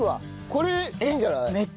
これいいんじゃない？